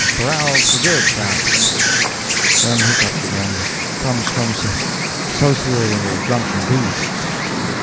Corralled for good, praps. Hic! Them hiccups again. Comes from s sociating with drunken beasts."